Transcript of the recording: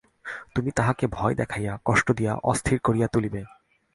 তুমি তাহাকে ভয় দেখাইয়া, কষ্ট দিয়া, অস্থির করিয়া তুলিবে।